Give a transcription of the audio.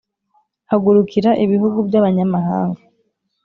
Hagurukira ibihugu by’abanyamahanga,